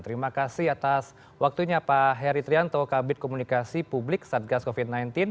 terima kasih atas waktunya pak heri trianto kabit komunikasi publik satgas covid sembilan belas